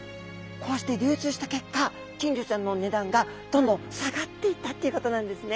こうして流通した結果金魚ちゃんの値段がどんどん下がっていったっていうことなんですね。